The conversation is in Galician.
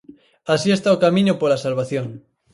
Así está o camiño pola salvación.